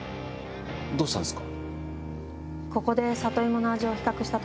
どうしたんですか？